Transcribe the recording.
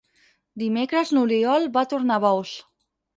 Dimecres n'Oriol va a Tornabous.